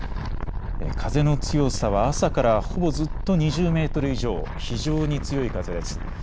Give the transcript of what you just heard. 風の強さは朝からほぼずっと２０メートル以上、非常に強い風です。